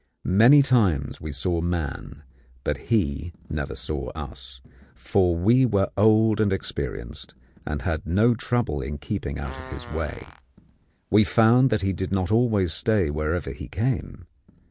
Many times we saw man, but he never saw us; for we were old and experienced, and had no trouble in keeping out of his way. We found that he did not always stay wherever he came.